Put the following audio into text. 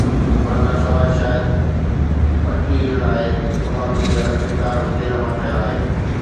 ان کان سواءِ شايد پٽي لاءِ استعمال ٿيندڙ لچڪدار به تيل مان ٺهيل آهي